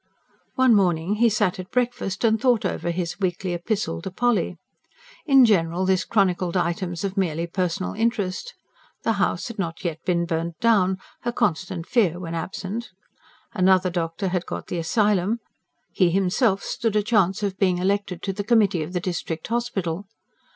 One morning he sat at breakfast, and thought over his weekly epistle to Polly. In general, this chronicled items of merely personal interest. The house had not yet been burnt down her constant fear, when absent; another doctor had got the Asylum; he himself stood a chance of being elected to the Committee of the District Hospital.